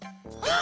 あ！